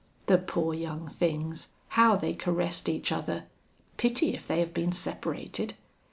The poor young things, how they caressed each other! Pity if they have been separated!'